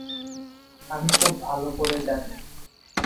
আমি খুব ভালো করে জানি।